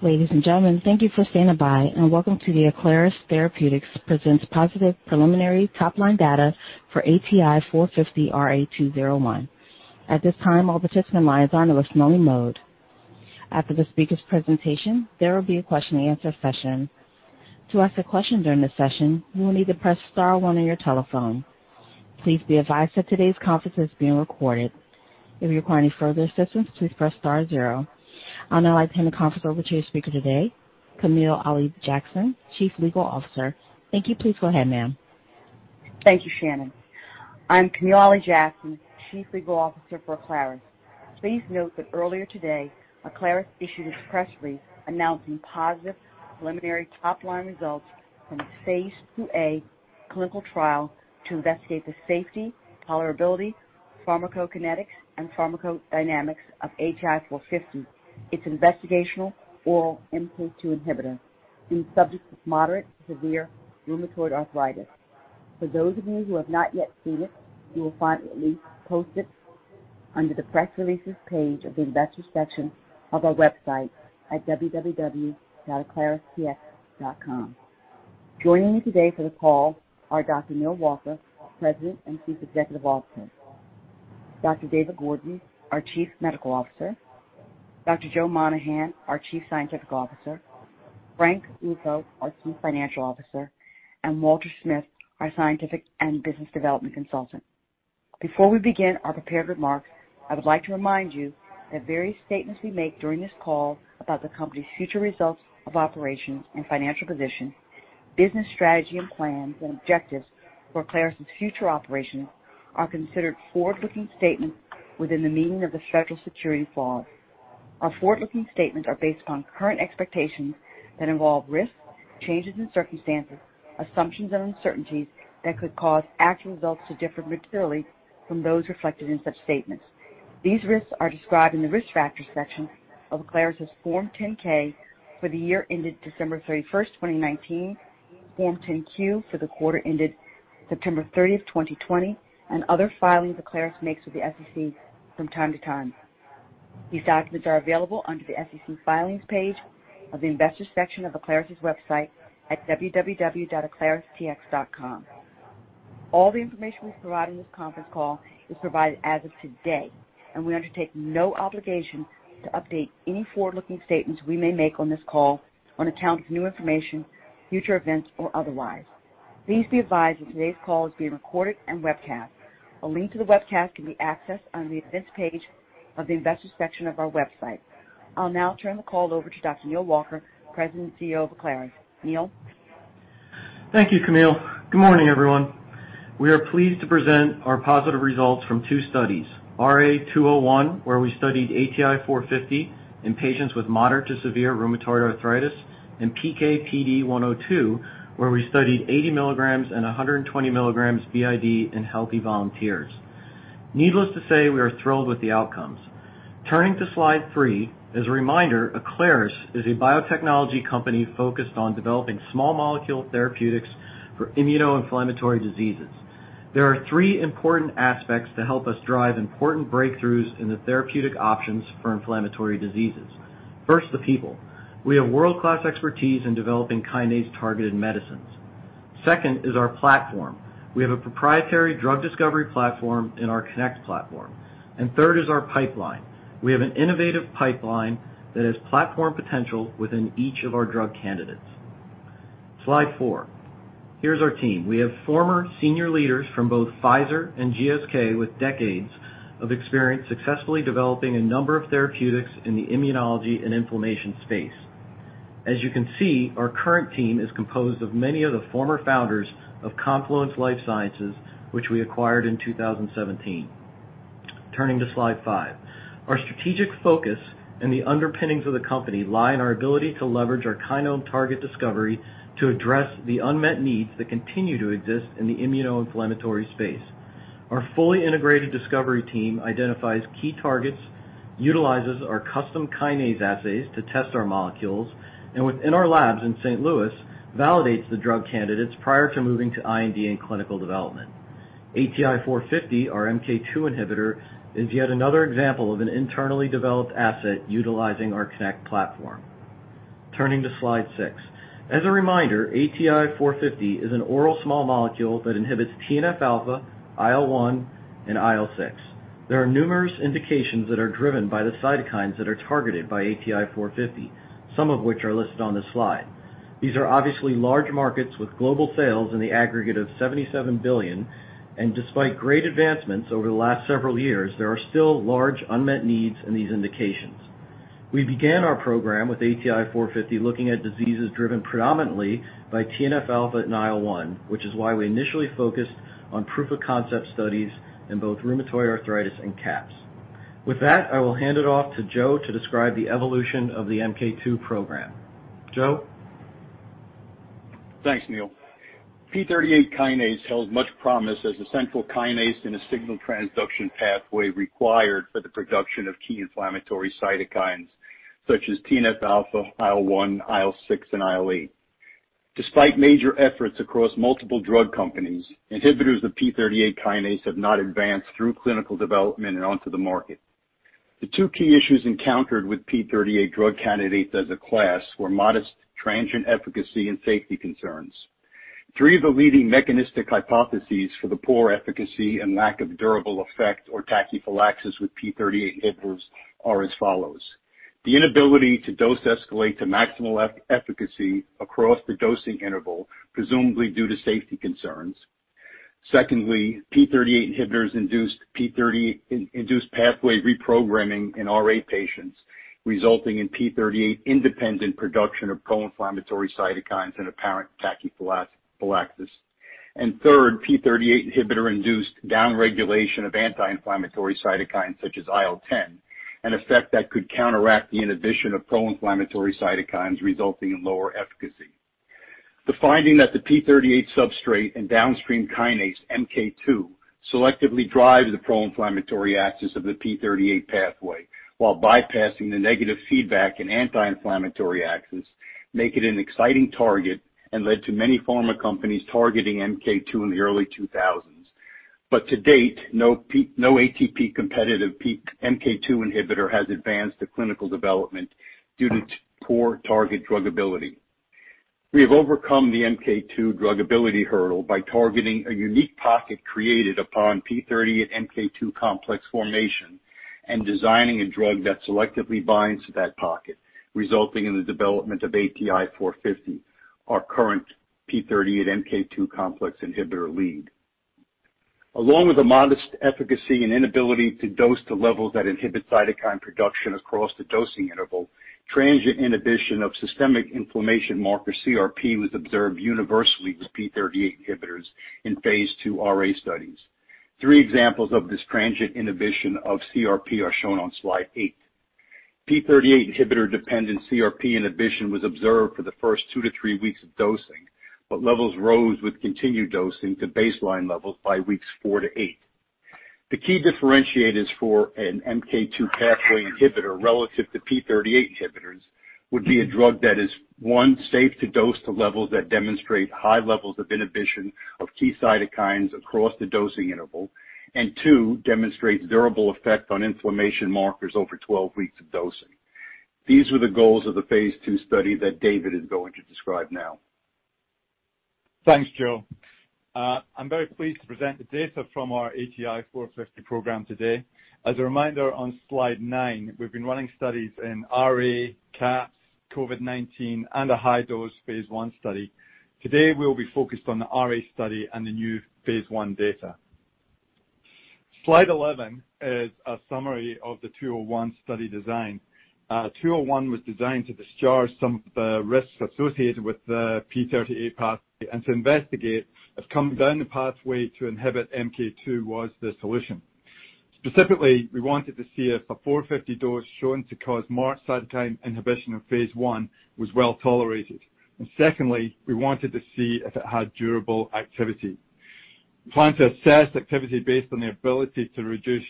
Ladies and gentlemen, thank you for standing by, and welcome to the Aclaris Therapeutics Presents Positive Preliminary Top-Line Data for ATI-450-RA201. At this time, all participant lines are in a listen-only mode. After the speaker's presentation, there will be a question and answer session. To ask a question during the session, you will need to press star one on your telephone. Please be advised that today's conference is being recorded. If you require any further assistance, please press star zero. I'll now hand the conference over to your speaker today, Kamil Ali-Jackson, Chief Legal Officer. Thank you. Please go ahead, ma'am. Thank you, Shannon. I'm Kamil Ali-Jackson, Chief Legal Officer for Aclaris. Please note that earlier today, Aclaris issued its press release announcing positive preliminary top-line results from its Phase IIA clinical trial to investigate the safety, tolerability, pharmacokinetics, and pharmacodynamics of ATI-450, its investigational oral MK2 inhibitor, in subjects with moderate to severe rheumatoid arthritis. For those of you who have not yet seen it, you will find a link posted under the Press Releases page of the Investors section of our website at www.aclaristx.com. Joining me today for the call are Dr. Neal Walker, President and Chief Executive Officer; Dr. David Gordon, our Chief Medical Officer; Dr. Joe Monahan, our Chief Scientific Officer; Frank Ruffo, our Chief Financial Officer; and Walter Smith, our Scientific and Business Development Consultant. Before we begin our prepared remarks, I would like to remind you that various statements we make during this call about the company's future results of operations and financial position, business strategy and plans and objectives for Aclaris' future operations are considered forward-looking statements within the meaning of the federal securities laws. Our forward-looking statements are based upon current expectations that involve risks, changes in circumstances, assumptions and uncertainties that could cause actual results to differ materially from those reflected in such statements. These risks are described in the Risk Factors section of Aclaris' Form 10-K for the year ended December 31st, 2019, Form 10-Q for the quarter ended September 30th, 2020, and other filings Aclaris makes with the SEC from time to time. These documents are available under the SEC Filings page of the Investors section of Aclaris' website at www.aclaristx.com. All the information we provide in this conference call is provided as of today, and we undertake no obligation to update any forward-looking statements we may make on this call on account of new information, future events, or otherwise. Please be advised that today's call is being recorded and webcast. A link to the webcast can be accessed on the Events page of the Investors section of our website. I'll now turn the call over to Dr. Neal Walker, President and CEO of Aclaris. Neal? Thank you, Kamil. Good morning, everyone. We are pleased to present our positive results from two studies, RA201, where we studied ATI-450 in patients with moderate to severe rheumatoid arthritis, and PKPD-102, where we studied 80 mg and 120 mg BID in healthy volunteers. Needless to say, we are thrilled with the outcomes. Turning to slide three, as a reminder, Aclaris is a biotechnology company focused on developing small molecule therapeutics for immuno-inflammatory diseases. There are three important aspects to help us drive important breakthroughs in the therapeutic options for inflammatory diseases. First, the people. We have world-class expertise in developing kinase-targeted medicines. Second is our platform. We have a proprietary drug discovery platform in our KINect platform. Third is our pipeline. We have an innovative pipeline that has platform potential within each of our drug candidates. Slide four. Here's our team. We have former senior leaders from both Pfizer and GSK with decades of experience successfully developing a number of therapeutics in the immunology and inflammation space. As you can see, our current team is composed of many of the former founders of Confluence Life Sciences, which we acquired in 2017. Turning to slide five. Our strategic focus and the underpinnings of the company lie in our ability to leverage our kinome target discovery to address the unmet needs that continue to exist in the immunoinflammatory space. Our fully integrated discovery team identifies key targets, utilizes our custom kinase assays to test our molecules, and within our labs in St. Louis, validates the drug candidates prior to moving to IND and clinical development. ATI-450, our MK2 inhibitor, is yet another example of an internally developed asset utilizing our KINect platform. Turning to slide six. As a reminder, ATI-450 is an oral small molecule that inhibits TNF-alpha, IL-1, and IL-6. There are numerous indications that are driven by the cytokines that are targeted by ATI-450, some of which are listed on this slide. These are obviously large markets with global sales in the aggregate of $77 billion, and despite great advancements over the last several years, there are still large unmet needs in these indications. We began our program with ATI-450 looking at diseases driven predominantly by TNF-alpha and IL-1, which is why we initially focused on proof-of-concept studies in both rheumatoid arthritis and CAPS. With that, I will hand it off to Joe to describe the evolution of the MK2 program. Joe? Thanks, Neal. P38 kinase held much promise as the central kinase in a signal transduction pathway required for the production of key inflammatory cytokines such as TNF-alpha, IL-1, IL-6, and IL-8. Despite major efforts across multiple drug companies, inhibitors of P38 kinase have not advanced through clinical development and onto the market. The two key issues encountered with P38 drug candidates as a class were modest transient efficacy and safety concerns. Three of the leading mechanistic hypotheses for the poor efficacy and lack of durable effect or tachyphylaxis with P38 inhibitors are as follows. The inability to dose escalate to maximal efficacy across the dosing interval, presumably due to safety concerns. Secondly, P38 inhibitors induced P38-induced pathway reprogramming in RA patients, resulting in P38-independent production of pro-inflammatory cytokines and apparent tachyphylaxis. Third, P38 inhibitor-induced downregulation of anti-inflammatory cytokines such as IL-10, an effect that could counteract the inhibition of pro-inflammatory cytokines resulting in lower efficacy. The finding that the P38 substrate and downstream kinase MK-2 selectively drives the pro-inflammatory axis of the P38 pathway while bypassing the negative feedback in anti-inflammatory axis, make it an exciting target and led to many pharma companies targeting MK-2 in the early 2000s. To date, no ATP-competitive MK-2 inhibitor has advanced to clinical development due to poor target druggability. We have overcome the MK-2 druggability hurdle by targeting a unique pocket created upon P38/MK-2 complex formation and designing a drug that selectively binds to that pocket, resulting in the development of ATI-450, our current P38/MK-2 complex inhibitor lead. Along with a modest efficacy and inability to dose to levels that inhibit cytokine production across the dosing interval, transient inhibition of systemic inflammation marker CRP was observed universally with P38 inhibitors in phase II RA studies. Three examples of this transient inhibition of CRP are shown on slide eight. P38 inhibitor-dependent CRP inhibition was observed for the first two to three weeks of dosing, but levels rose with continued dosing to baseline levels by weeks four to eight. The key differentiators for an MK-2 pathway inhibitor relative to P38 inhibitors would be a drug that is, one, safe to dose to levels that demonstrate high levels of inhibition of key cytokines across the dosing interval. Two, demonstrates durable effect on inflammation markers over 12 weeks of dosing. These were the goals of the phase II study that David is going to describe now. Thanks, Joe. I'm very pleased to present the data from our ATI-450 program today. As a reminder, on slide nine, we've been running studies in RA, CAPS, COVID-19, and a high-dose phase I study. Today, we'll be focused on the RA study and the new phase I data. Slide 11 is a summary of the RA201 study design. RA201 was designed to discharge some of the risks associated with the P38 pathway and to investigate if coming down the pathway to inhibit MK2 was the solution. Specifically, we wanted to see if a 450 dose shown to cause marked cytokine inhibition of phase I was well-tolerated. Secondly, we wanted to see if it had durable activity. We plan to assess activity based on the ability to reduce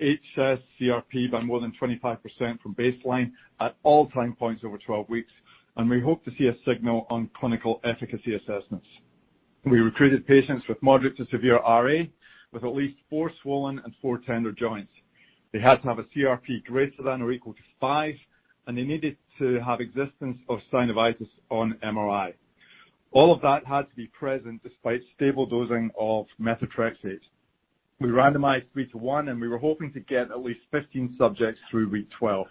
hs-CRP by more than 25% from baseline at all time points over 12 weeks. We hope to see a signal on clinical efficacy assessments. We recruited patients with moderate to severe RA, with at least four swollen and four tender joints. They had to have a CRP greater than or equal to five. They needed to have existence of synovitis on MRI. All of that had to be present despite stable dosing of methotrexate. We randomized 3:1. We were hoping to get at least 15 subjects through week 12.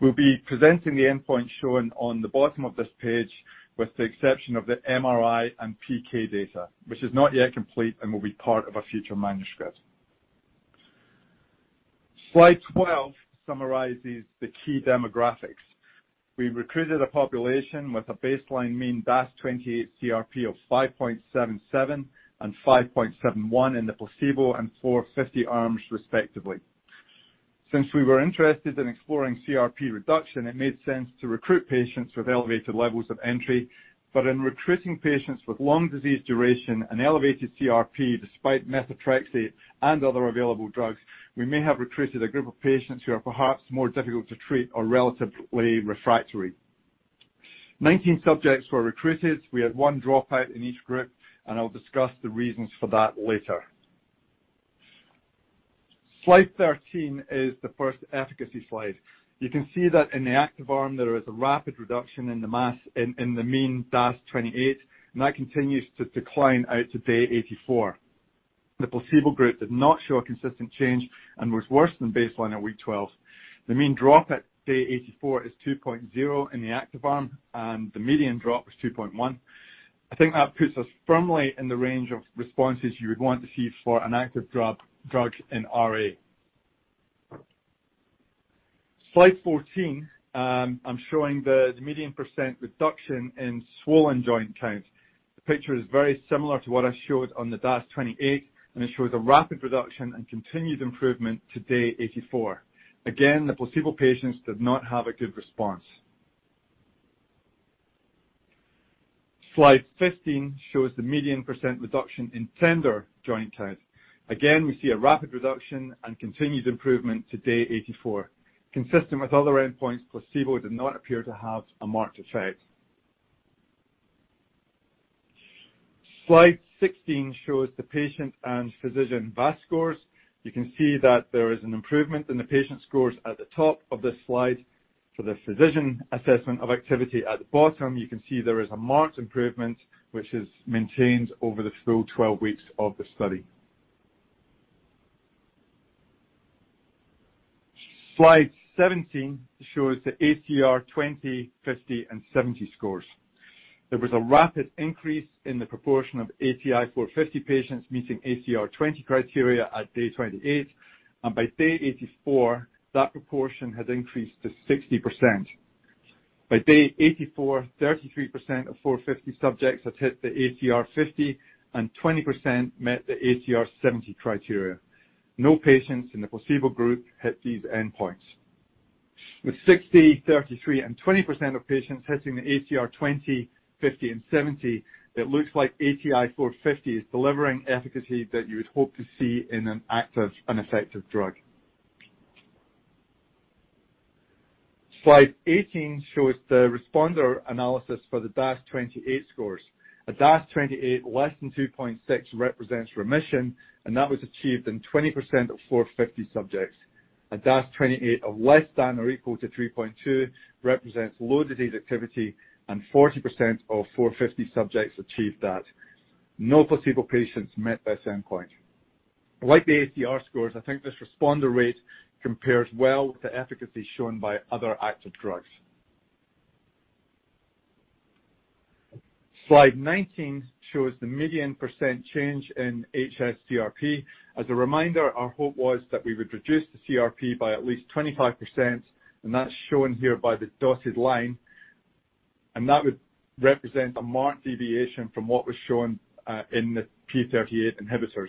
We'll be presenting the endpoint shown on the bottom of this page, with the exception of the MRI and PK data, which is not yet complete and will be part of a future manuscript. Slide 12 summarizes the key demographics. We recruited a population with a baseline mean DAS28 CRP of 5.77 and 5.71 in the placebo and 450 arms, respectively. Since we were interested in exploring CRP reduction, it made sense to recruit patients with elevated levels of entry, but in recruiting patients with long disease duration and elevated CRP despite methotrexate and other available drugs, we may have recruited a group of patients who are perhaps more difficult to treat or relatively refractory. 19 subjects were recruited. We had one dropout in each group, and I'll discuss the reasons for that later. Slide 13 is the first efficacy slide. You can see that in the active arm, there is a rapid reduction in the mean DAS28, and that continues to decline out to day 84. The placebo group did not show a consistent change and was worse than baseline at week 12. The mean drop at day 84 is 2.0 in the active arm, and the median drop was 2.1. I think that puts us firmly in the range of responses you would want to see for an active drug in RA. Slide 14, I'm showing the median percent reduction in swollen joint count. The picture is very similar to what I showed on the DAS28. It shows a rapid reduction and continued improvement to day 84. Again, the placebo patients did not have a good response. Slide 15 shows the median percent reduction in tender joint count. Again, we see a rapid reduction and continued improvement to day 84. Consistent with other endpoints, placebo did not appear to have a marked effect. Slide 16 shows the patient and physician VAS scores. You can see that there is an improvement in the patient scores at the top of this slide. For the physician assessment of activity at the bottom, you can see there is a marked improvement, which is maintained over the full 12 weeks of the study. Slide 17 shows the ACR 20, 50, and 70 scores. There was a rapid increase in the proportion of ATI-450 patients meeting ACR 20 criteria at day 28, and by day 84, that proportion had increased to 60%. By day 84, 33% of 450 subjects had hit the ACR 50, and 20% met the ACR 70 criteria. No patients in the placebo group hit these endpoints. With 60%, 33%, and 20% of patients hitting the ACR 20, 50, and 70, it looks like ATI-450 is delivering efficacy that you would hope to see in an active and effective drug. Slide 18 shows the responder analysis for the DAS28 scores. A DAS28 less than 2.6 represents remission, and that was achieved in 20% of 450 subjects. A DAS28 of less than or equal to 3.2 represents low disease activity, and 40% of 450 subjects achieved that. No placebo patients met this endpoint. Like the ACR scores, I think this responder rate compares well to efficacy shown by other active drugs. Slide 19 shows the median percent change in hsCRP. As a reminder, our hope was that we would reduce the CRP by at least 25%, and that's shown here by the dotted line, and that would represent a marked deviation from what was shown in the P38 inhibitors.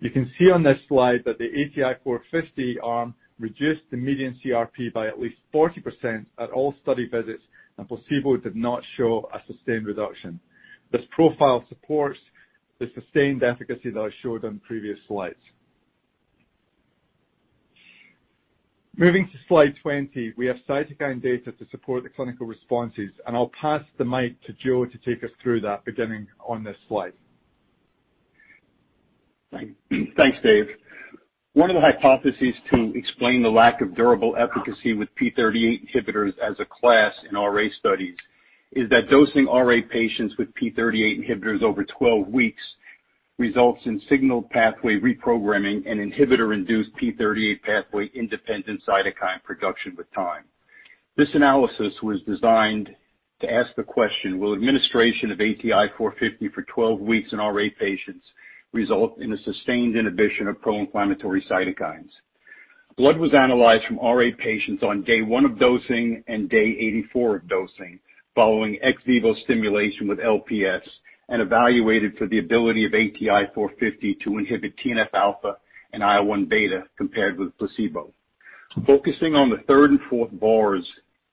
You can see on this slide that the ATI-450 arm reduced the median CRP by at least 40% at all study visits, and placebo did not show a sustained reduction. This profile supports the sustained efficacy that I showed on previous slides. Moving to Slide 20, we have cytokine data to support the clinical responses, and I'll pass the mic to Joe to take us through that, beginning on this slide. Thanks, Dave. One of the hypotheses to explain the lack of durable efficacy with P38 inhibitors as a class in RA studies is that dosing RA patients with P38 inhibitors over 12 weeks results in signal pathway reprogramming and inhibitor-induced P38 pathway-independent cytokine production with time. This analysis was designed to ask the question: Will administration of ATI-450 for 12 weeks in RA patients result in a sustained inhibition of pro-inflammatory cytokines? Blood was analyzed from RA patients on day one of dosing and day 84 of dosing following ex vivo stimulation with LPS and evaluated for the ability of ATI-450 to inhibit TNF-alpha and IL-1 beta compared with placebo. Focusing on the third and fourth bars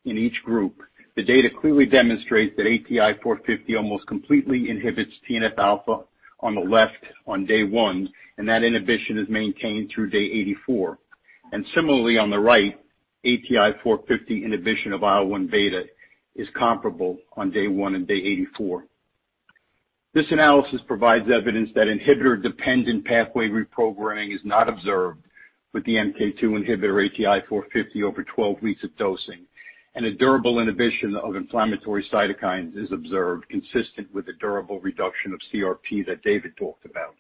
in each group, the data clearly demonstrates that ATI-450 almost completely inhibits TNF-alpha on the left on day one, and that inhibition is maintained through day 84. Similarly on the right, ATI-450 inhibition of IL-1 beta is comparable on day one and day 84. This analysis provides evidence that inhibitor-dependent pathway reprogramming is not observed with the MK2 inhibitor ATI-450 over 12 weeks of dosing, and a durable inhibition of inflammatory cytokines is observed consistent with the durable reduction of CRP that David talked about.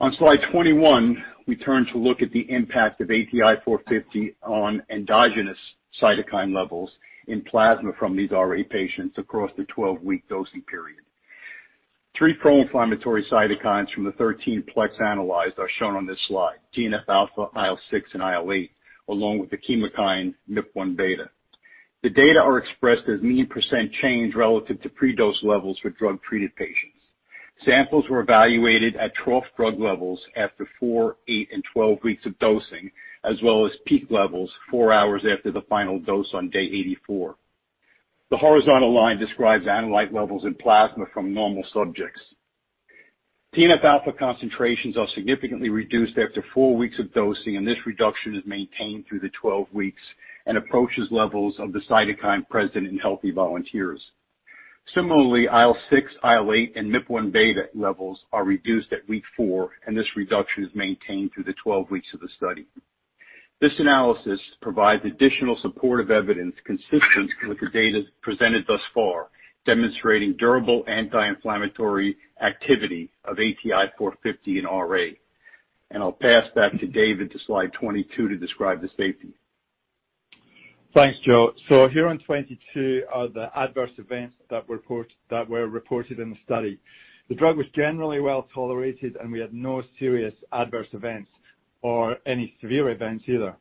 On Slide 21, we turn to look at the impact of ATI-450 on endogenous cytokine levels in plasma from these RA patients across the 12-week dosing period. Three pro-inflammatory cytokines from the 13-plex analyzed are shown on this slide, TNF-alpha, IL-6, and IL-8, along with the chemokine MIP-1 beta. The data are expressed as mean percent change relative to pre-dose levels for drug-treated patients. Samples were evaluated at trough drug levels after four, eight, and 12 weeks of dosing, as well as peak levels four hours after the final dose on day 84. The horizontal line describes analyte levels in plasma from normal subjects. TNF-alpha concentrations are significantly reduced after four weeks of dosing, and this reduction is maintained through the 12 weeks and approaches levels of the cytokine present in healthy volunteers. Similarly, IL-6, IL-8, and MIP-1 beta levels are reduced at week four, and this reduction is maintained through the 12 weeks of the study. This analysis provides additional supportive evidence consistent with the data presented thus far, demonstrating durable anti-inflammatory activity of ATI-450 in RA. I'll pass back to David to Slide 22 to describe the safety. Thanks, Joe. Here on 22 are the adverse events that were reported in the study. The drug was generally well-tolerated, and we had no serious adverse events or any severe events either.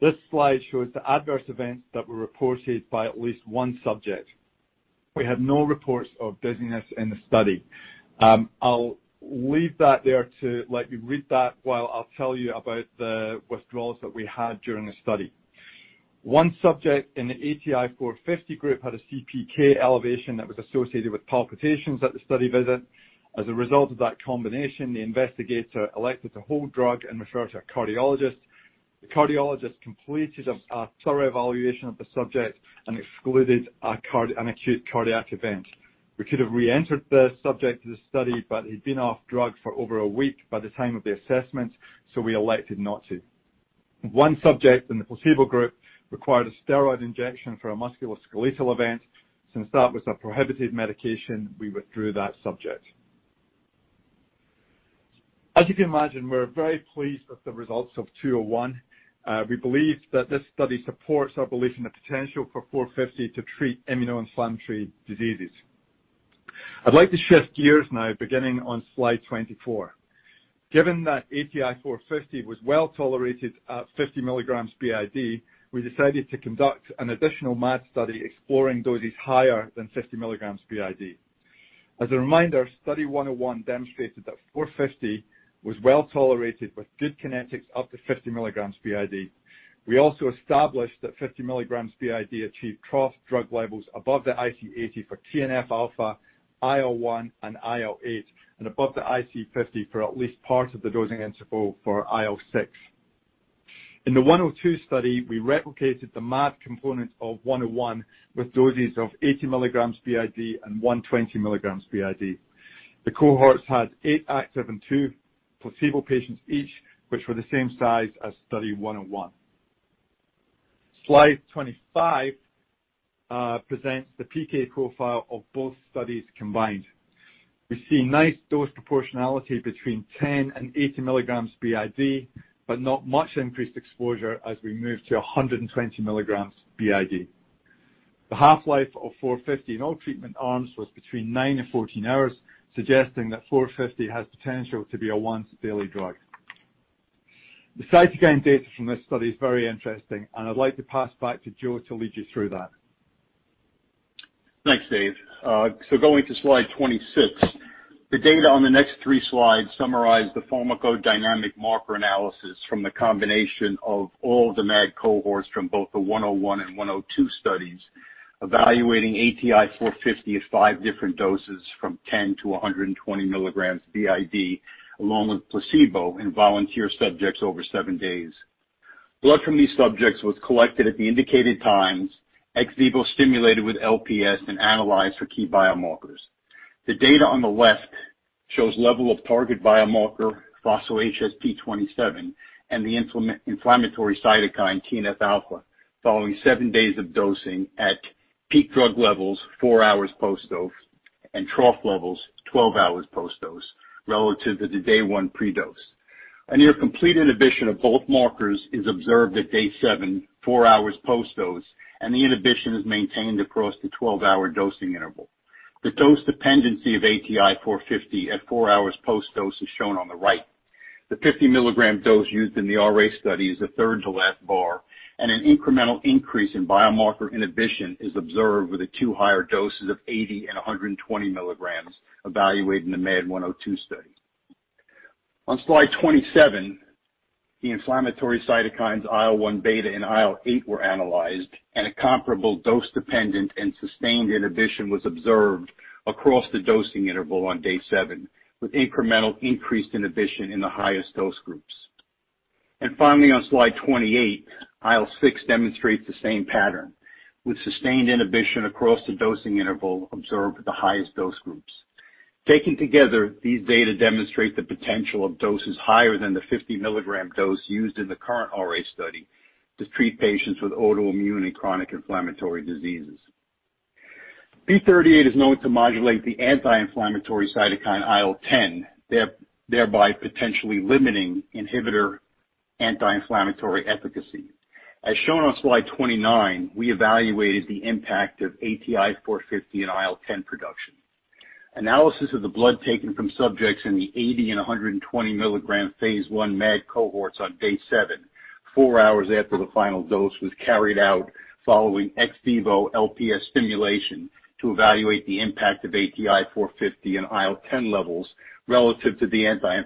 This slide shows the adverse events that were reported by at least one subject. We had no reports of dizziness in the study. I'll leave that there to let you read that while I tell you about the withdrawals that we had during the study. One subject in the ATI-450 group had a CPK elevation that was associated with palpitations at the study visit. As a result of that combination, the investigator elected to hold drug and refer to a cardiologist. The cardiologist completed a thorough evaluation of the subject and excluded an acute cardiac event. We could have reentered the subject to the study, but he'd been off drug for over one week by the time of the assessment, so we elected not to. One subject in the placebo group required a steroid injection for a musculoskeletal event. Since that was a prohibited medication, we withdrew that subject. As you can imagine, we're very pleased with the results of 201. We believe that this study supports our belief in the potential for 450 to treat immunoinflammatory diseases. I'd like to shift gears now, beginning on slide 24. Given that ATI-450 was well-tolerated at 50 mg BID, we decided to conduct an additional MAD study exploring doses higher than 50 mg BID. As a reminder, Study 101 demonstrated that 450 was well-tolerated with good kinetics up to 50 mg BID. We also established that 50 mg BID achieved trough drug levels above the IC80 for TNF-alpha, IL-1, and IL-8, and above the IC50 for at least part of the dosing interval for IL-6. In the 102 study, we replicated the MAD component of 101 with doses of 80 mg BID and 120 mg BID. The cohorts had eight active and two placebo patients each, which were the same size as Study 101. Slide 25, presents the PK profile of both studies combined. We see nice dose proportionality between 10 mg and 80 mg BID, but not much increased exposure as we move to 120 mg BID. The half-life of 450 in all treatment arms was between nine and 14 hours, suggesting that 450 has potential to be a once-daily drug. The cytokine data from this study is very interesting, and I'd like to pass back to Joe to lead you through that. Thanks, Dave. Going to slide 26. The data on the next three slides summarize the pharmacodynamic marker analysis from the combination of all the MAD cohorts from both the 101 and 102 studies, evaluating ATI-450 at five different doses from 10 mg to 120 mg BID, along with placebo in volunteer subjects over seven days. Blood from these subjects was collected at the indicated times, ex vivo stimulated with LPS, and analyzed for key biomarkers. The data on the left shows level of target biomarker phospho-HSP27 and the inflammatory cytokine TNF-alpha following seven days of dosing at peak drug levels, four hours post-dose, and trough levels 12 hours post-dose, relative to the day one pre-dose. A near complete inhibition of both markers is observed at day seven, four hours post-dose, and the inhibition is maintained across the 12-hour dosing interval. The dose dependency of ATI-450 at four hours post-dose is shown on the right. The 50 mg dose used in the RA study is the third to last bar. An incremental increase in biomarker inhibition is observed with the two higher doses of 80 mg and 120 mg evaluated in the MAD 102 study. On slide 27, the inflammatory cytokines IL-1 beta and IL-8 were analyzed. A comparable dose-dependent and sustained inhibition was observed across the dosing interval on day seven, with incremental increased inhibition in the highest dose groups. Finally, on slide 28, IL-6 demonstrates the same pattern with sustained inhibition across the dosing interval observed with the highest dose groups. Taken together, these data demonstrate the potential of doses higher than the 50 mg dose used in the current RA study to treat patients with autoimmune and chronic inflammatory diseases. P38 is known to modulate the anti-inflammatory cytokine IL-10, thereby potentially limiting inhibitor anti-inflammatory efficacy. Shown on slide 29, we evaluated the impact of ATI-450 in IL-10 production. Analysis of the blood taken from subjects in the 80 mg and 120 mg phase I MAD cohorts on day seven, four hours after the final dose was carried out following ex vivo LPS stimulation to evaluate the impact of ATI-450 and IL-10 levels relative to the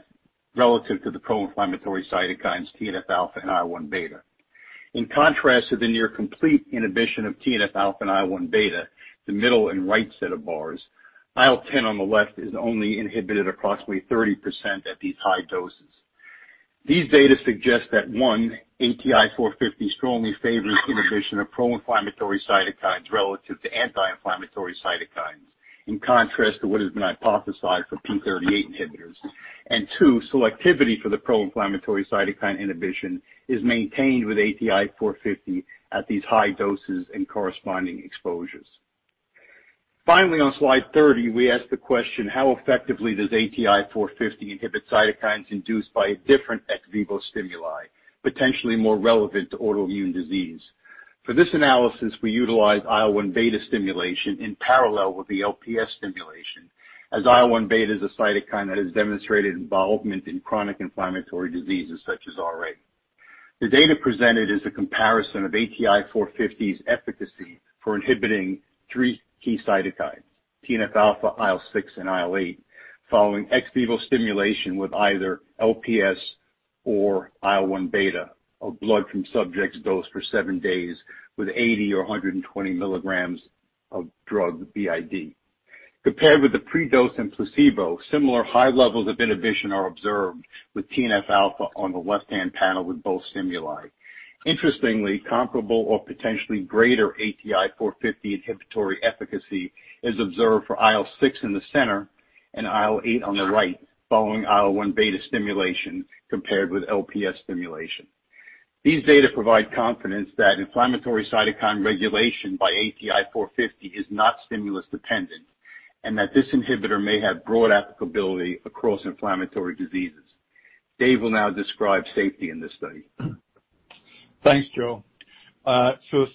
pro-inflammatory cytokines TNF-alpha and IL-1 beta. In contrast to the near complete inhibition of TNF-alpha and IL-1 beta, the middle and right set of bars, IL-10 on the left is only inhibited approximately 30% at these high doses. These data suggest that, one, ATI-450 strongly favors inhibition of pro-inflammatory cytokines relative to anti-inflammatory cytokines, in contrast to what has been hypothesized for P38 inhibitors. Two, selectivity for the pro-inflammatory cytokine inhibition is maintained with ATI-450 at these high doses and corresponding exposures. Finally, on slide 30, we ask the question: How effectively does ATI-450 inhibit cytokines induced by a different ex vivo stimuli, potentially more relevant to autoimmune disease? For this analysis, we utilized IL-1 beta stimulation in parallel with the LPS stimulation, as IL-1 beta is a cytokine that has demonstrated involvement in chronic inflammatory diseases such as RA. The data presented is a comparison of ATI-450's efficacy for inhibiting three key cytokines, TNF-alpha, IL-6, and IL-8 following ex vivo stimulation with either LPS or IL-1 beta of blood from subjects dosed for seven days with 80 mg or 120 mg of drug BID. Compared with the pre-dose in placebo, similar high levels of inhibition are observed with TNF-alpha on the left-hand panel with both stimuli. Interestingly, comparable or potentially greater ATI-450 inhibitory efficacy is observed for IL-6 in the center and IL-8 on the right following IL-1 beta stimulation compared with LPS stimulation. These data provide confidence that inflammatory cytokine regulation by ATI-450 is not stimulus-dependent, and that this inhibitor may have broad applicability across inflammatory diseases. Dave will now describe safety in this study. Thanks, Joe.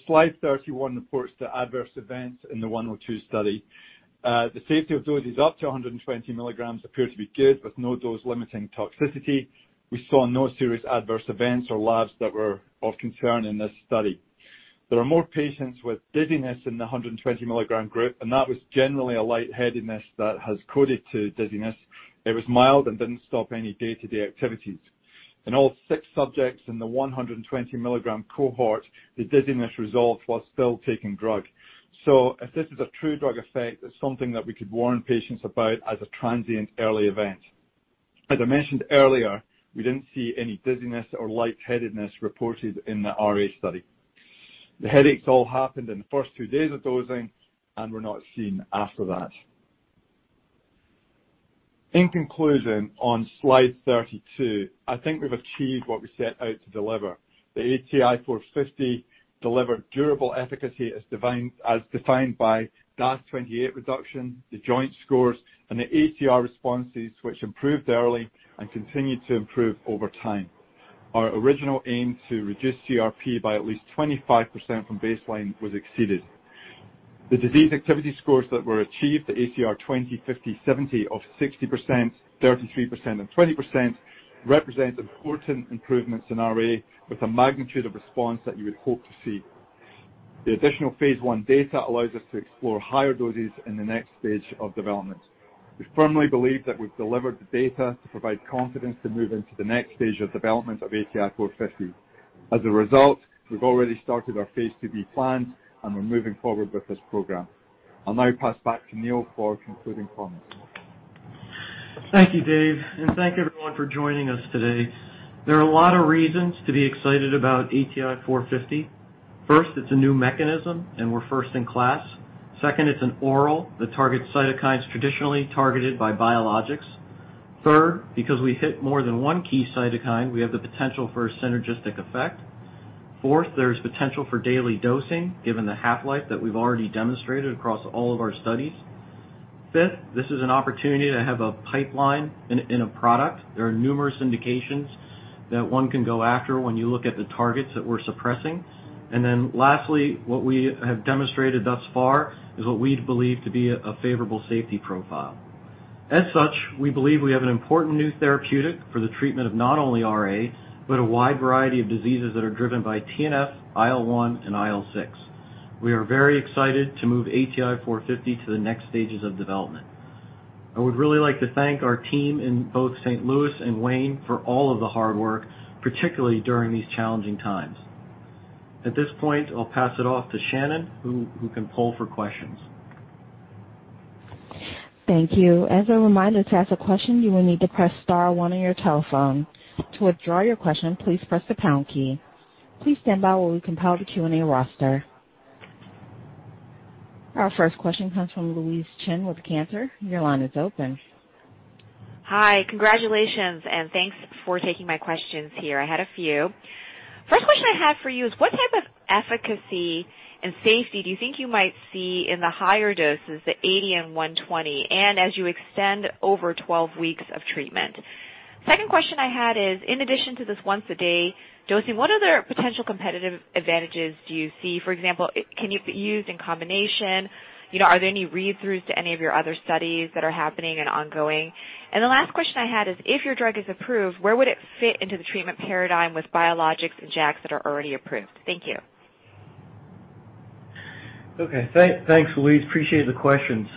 Slide 31 reports the adverse events in the 102 study. The safety of doses up to 120 mg appear to be good with no dose-limiting toxicity. We saw no serious adverse events or labs that were of concern in this study. There are more patients with dizziness in the 120 mg group, and that was generally a lightheadedness that has coded to dizziness. It was mild and didn't stop any day-to-day activities. In all six subjects in the 120 mg cohort, the dizziness resolved while still taking drug. If this is a true drug effect, it's something that we could warn patients about as a transient early event. As I mentioned earlier, we didn't see any dizziness or lightheadedness reported in the RA study. The headaches all happened in the first two days of dosing and were not seen after that. In conclusion, on slide 32, I think we've achieved what we set out to deliver. The ATI-450 delivered durable efficacy as defined by DAS28 reduction, the joint scores, and the ACR responses, which improved early and continued to improve over time. Our original aim to reduce CRP by at least 25% from baseline was exceeded. The disease activity scores that were achieved, the ACR 20, 50, 70 of 60%, 33%, and 20% represent important improvements in RA with a magnitude of response that you would hope to see. The additional phase I data allows us to explore higher doses in the next stage of development. We firmly believe that we've delivered the data to provide confidence to move into the next stage of development of ATI-450. We've already started our phase IIB plans, and we're moving forward with this program. I'll now pass back to Neal for concluding comments. Thank you, Dave, and thank everyone for joining us today. There are a lot of reasons to be excited about ATI-450. First, it's a new mechanism, and we're first in class. Second, it's an oral that targets cytokines traditionally targeted by biologics. Third, because we hit more than one key cytokine, we have the potential for a synergistic effect. Fourth, there's potential for daily dosing, given the half-life that we've already demonstrated across all of our studies. Fifth, this is an opportunity to have a pipeline in a product. There are numerous indications that one can go after when you look at the targets that we're suppressing. Lastly, what we have demonstrated thus far is what we believe to be a favorable safety profile. As such, we believe we have an important new therapeutic for the treatment of not only RA, but a wide variety of diseases that are driven by TNF, IL-1, and IL-6. We are very excited to move ATI-450 to the next stages of development. I would really like to thank our team in both St. Louis and Wayne for all of the hard work, particularly during these challenging times. At this point, I'll pass it off to Shannon, who can poll for questions. Thank you. As a reminder, to ask a question, you will need to press star one on your telephone. To withdraw your question, please press the pound key. Please stand by while we compile the Q&A roster. Our first question comes from Louise Chen with Cantor Fitzgerald. Your line is open. Hi. Congratulations, and thanks for taking my questions here. I had a few. First question I had for you is what type of efficacy and safety do you think you might see in the higher doses, the 80 and 120, and as you extend over 12 weeks of treatment? Second question I had is, in addition to this once-a-day dosing, what other potential competitive advantages do you see? For example, can it be used in combination? Are there any read-throughs to any of your other studies that are happening and ongoing? The last question I had is, if your drug is approved, where would it fit into the treatment paradigm with biologics and JAKs that are already approved? Thank you. Okay. Thanks, Louise. Appreciate the question.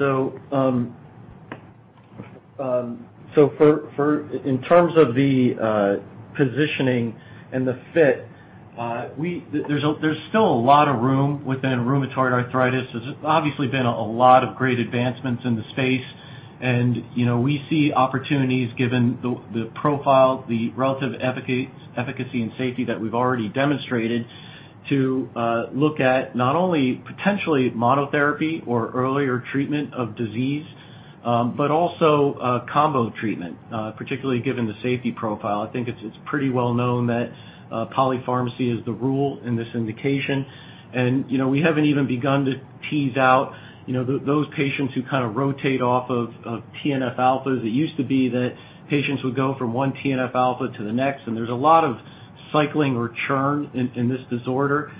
In terms of the positioning and the fit, there's still a lot of room within rheumatoid arthritis. There's obviously been a lot of great advancements in the space, and we see opportunities given the profile, the relative efficacy, and safety that we've already demonstrated to look at not only potentially monotherapy or earlier treatment of disease, but also combo treatment, particularly given the safety profile. I think it's pretty well known that polypharmacy is the rule in this indication, and we haven't even begun to tease out those patients who rotate off of TNF-alphas. It used to be that patients would go from one TNF-alpha to the next, and there's a lot of cycling or churn in this disorder.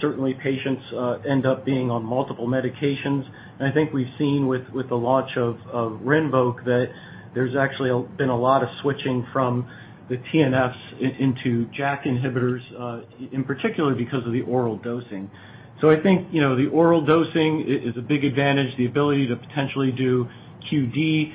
Certainly, patients end up being on multiple medications. I think we've seen with the launch of RINVOQ that there's actually been a lot of switching from the TNFs into JAK inhibitors, in particular because of the oral dosing. I think, the oral dosing is a big advantage, the ability to potentially do QD.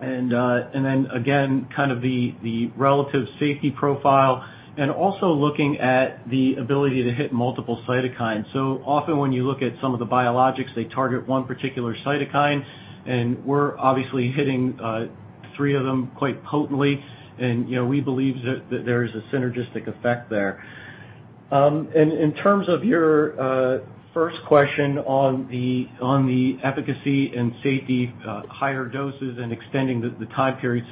The relative safety profile and also looking at the ability to hit multiple cytokines. Often when you look at some of the biologics, they target one particular cytokine, and we're obviously hitting three of them quite potently. We believe that there is a synergistic effect there. In terms of your first question on the efficacy and safety, higher doses and extending the time period.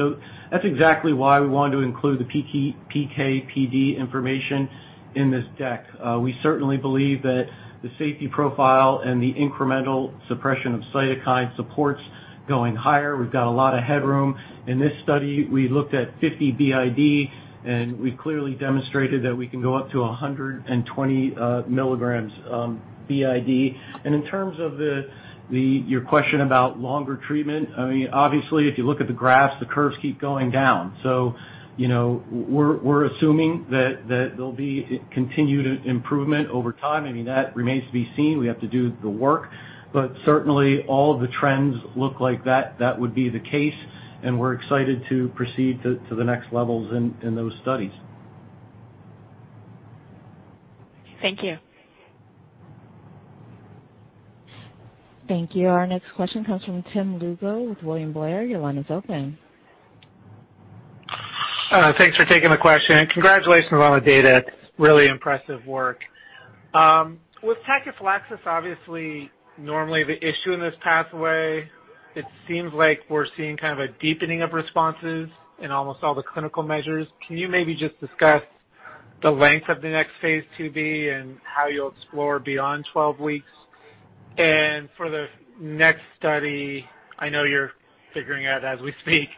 That's exactly why we want to include the PK/PD information in this deck. We certainly believe that the safety profile and the incremental suppression of cytokine supports going higher. We've got a lot of headroom. In this study, we looked at 50 mg BID, and we clearly demonstrated that we can go up to 120 mg BID. In terms of your question about longer treatment, obviously, if you look at the graphs, the curves keep going down. We're assuming that there'll be continued improvement over time. That remains to be seen. We have to do the work. Certainly all the trends look like that would be the case, and we're excited to proceed to the next levels in those studies. Thank you. Thank you. Our next question comes from Tim Lugo with William Blair. Your line is open. Thanks for taking the question. Congratulations on the data. Really impressive work. With tachyphylaxis, obviously, normally the issue in this pathway, it seems like we're seeing a deepening of responses in almost all the clinical measures. Can you maybe just discuss the length of the next Phase IIB and how you'll explore beyond 12 weeks? For the next study, I know you're figuring out as we speak,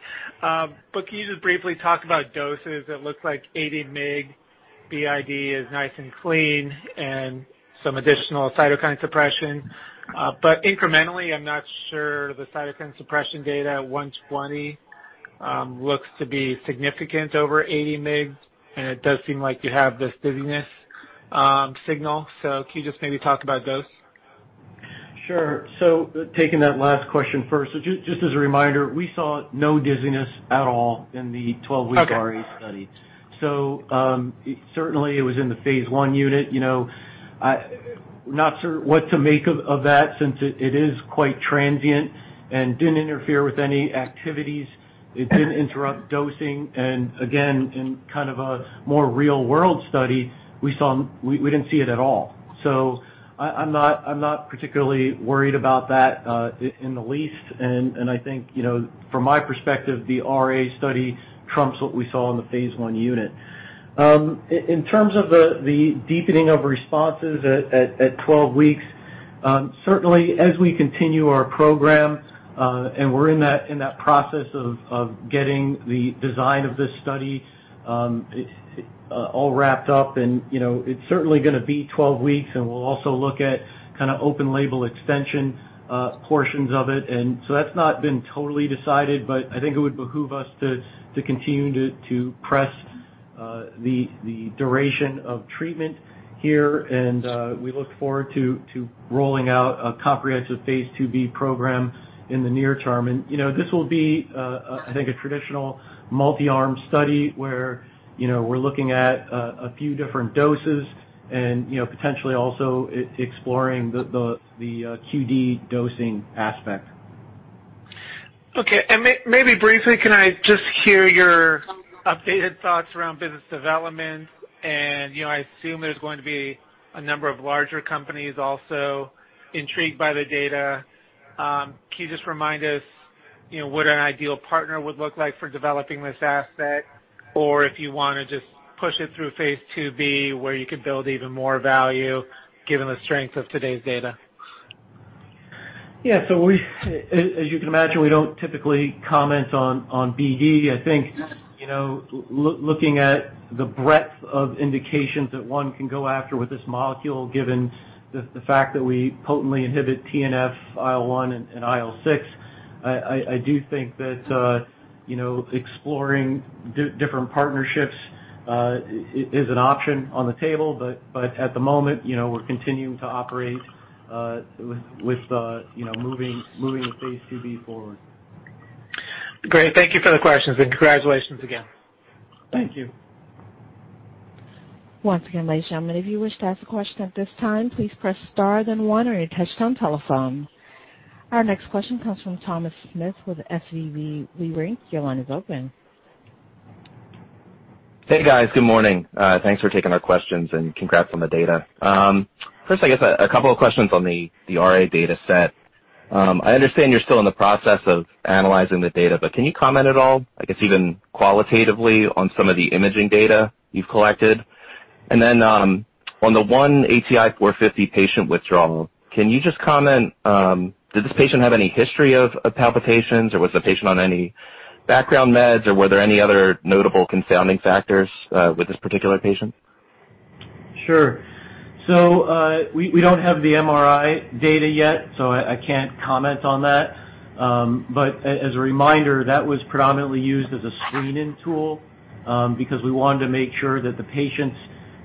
can you just briefly talk about doses? It looks like 80 mg BID is nice and clean and some additional cytokine suppression. Incrementally, I'm not sure the cytokine suppression data at 120 mg looks to be significant over 80 mg, it does seem like you have this dizziness signal. Can you just maybe talk about those? Sure. Taking that last question first. Just as a reminder, we saw no dizziness at all in the 12-week- Okay RA study. Certainly it was in the phase I unit. Not sure what to make of that since it is quite transient and didn't interfere with any activities. It didn't interrupt dosing. Again, in a more real-world study, we didn't see it at all. I'm not particularly worried about that in the least. I think from my perspective, the RA study trumps what we saw in the phase I unit. In terms of the deepening of responses at 12 weeks. As we continue our program, and we're in that process of getting the design of this study all wrapped up, and it's certainly going to be 12 weeks, and we'll also look at open label extension portions of it. That's not been totally decided, but I think it would behoove us to continue to press the duration of treatment here. We look forward to rolling out a comprehensive Phase IIB program in the near term. This will be, I think, a traditional multi-arm study where we're looking at a few different doses and potentially also exploring the QD dosing aspect. Okay. Maybe briefly, can I just hear your updated thoughts around business development? I assume there's going to be a number of larger companies also intrigued by the data. Can you just remind us what an ideal partner would look like for developing this asset? If you want to just push it through Phase IIB, where you could build even more value given the strength of today's data. Yeah. As you can imagine, we don't typically comment on BD. I think, looking at the breadth of indications that one can go after with this molecule, given the fact that we potently inhibit TNF, IL-1, and IL-6, I do think that exploring different partnerships is an option on the table. But at the moment, we're continuing to operate with moving the Phase IIB forward. Great. Thank you for the questions, and congratulations again. Thank you. If you wish to ask a question at this time, please press star then one or you touch on telephone. Our next question comes from Thomas Smith with SVB Leerink. Hey, guys. Good morning. Thanks for taking our questions, and congrats on the data. First, I guess a couple of questions on the RA data set. I understand you're still in the process of analyzing the data, but can you comment at all, I guess, even qualitatively on some of the imaging data you've collected? Then, on the one ATI-450 patient withdrawal, can you just comment, did this patient have any history of palpitations, or was the patient on any background meds, or were there any other notable confounding factors with this particular patient? Sure. We don't have the MRI data yet, so I can't comment on that. As a reminder, that was predominantly used as a screen-in tool. Because we wanted to make sure that the patients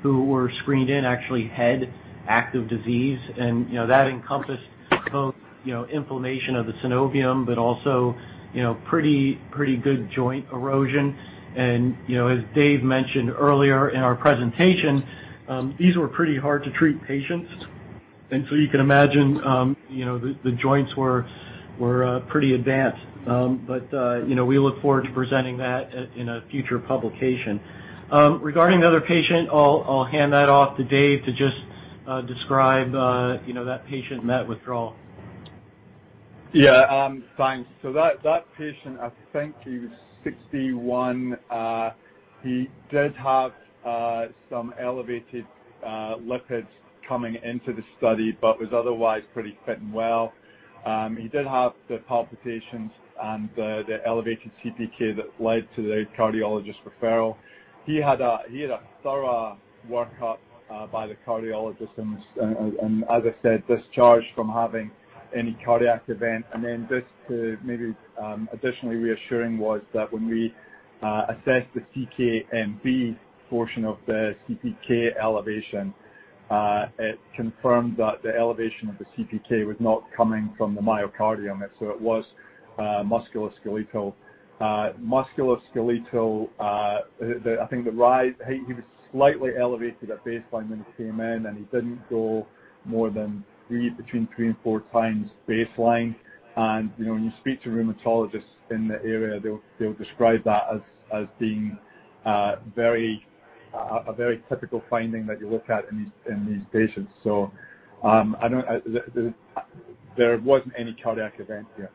who were screened in actually had active disease. That encompassed both inflammation of the synovium, but also pretty good joint erosion. As Dave mentioned earlier in our presentation, these were pretty hard-to-treat patients. You can imagine the joints were pretty advanced. We look forward to presenting that in a future publication. Regarding the other patient, I'll hand that off to Dave to just describe that patient and that withdrawal. Yeah. Thanks. That patient, I think he was 61. He did have some elevated lipids coming into the study, but was otherwise pretty fit and well. He did have the palpitations and the elevated CPK that led to the cardiologist referral. He had a thorough workup by the cardiologist, as I said, discharged from having any cardiac event. Just to maybe additionally reassuring was that when we assessed the CK-MB portion of the CPK elevation, it confirmed that the elevation of the CPK was not coming from the myocardium. It was musculoskeletal. I think he was slightly elevated at baseline when he came in, he didn't go more than between three and four times baseline. When you speak to rheumatologists in the area, they'll describe that as being a very typical finding that you look at in these patients. There wasn't any cardiac event here.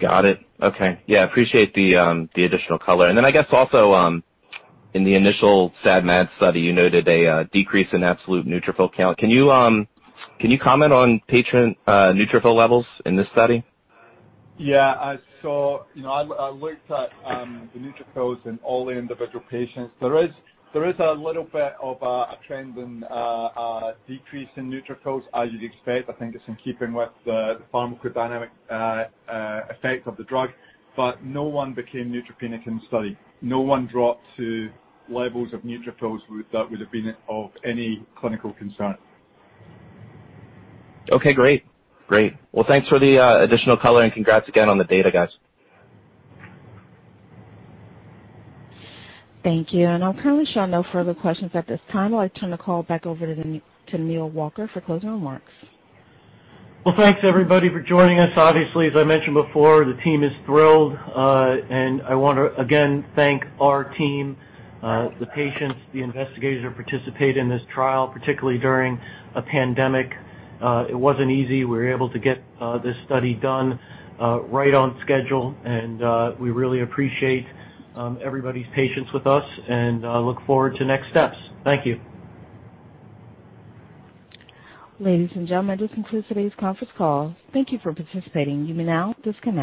Got it. Okay. Yeah, appreciate the additional color. I guess also in the initial SAD MAD study, you noted a decrease in absolute neutrophil count. Can you comment on patient neutrophil levels in this study? Yeah. I looked at the neutrophils in all the individual patients. There is a little bit of a trend in a decrease in neutrophils as you'd expect. I think it's in keeping with the pharmacodynamic effect of the drug. No one became neutropenic in the study. No one dropped to levels of neutrophils that would have been of any clinical concern. Okay, great. Well, thanks for the additional color and congrats again on the data, guys. Thank you. I'm currently showing no further questions at this time. I'd like to turn the call back over to Neal Walker for closing remarks. Well, thanks everybody for joining us. Obviously, as I mentioned before, the team is thrilled. I want to again thank our team, the patients, the investigators who participated in this trial, particularly during a pandemic. It wasn't easy. We were able to get this study done right on schedule, and we really appreciate everybody's patience with us and look forward to next steps. Thank you. Ladies and gentlemen, this concludes today's conference call. Thank you for participating. You may now disconnect.